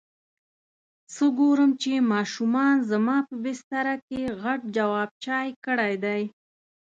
څه ګورم چې ماشوم زما په بستره کې غټ جواب چای کړی دی.